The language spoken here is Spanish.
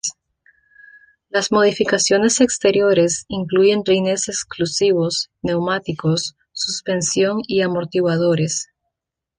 Las modificaciones exteriores incluyen rines exclusivos, neumáticos, suspensión y amortiguadores.